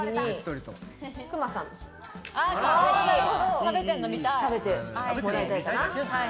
食べてもらいたいかな。